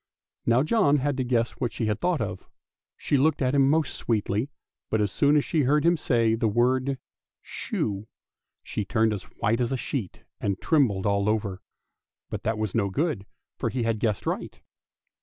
Now John had to guess what she had thought of. She looked at him most sweetly, but as soon as she heard him say the word shoe, she turned as white as a sheet and trembled all over; but that was no good, for he had guessed aright.